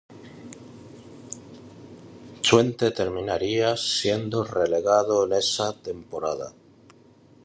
Twente terminaría siendo relegado en esa temporada.